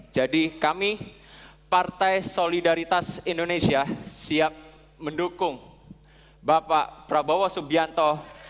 jadi kami partai solidaritas indonesia siap mendukung bapak prabowo subianto